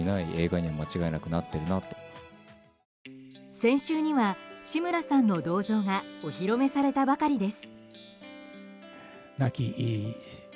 先週には志村さんの銅像がお披露目されたばかりです。